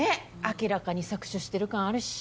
明らかに搾取してる感あるし。